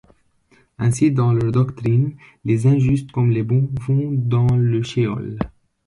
Ainsi, dans leur doctrine, les injustes comme les bons vont dans le sheol.